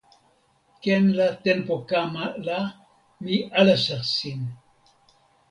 ken la tenpo kama la mi alasa sin.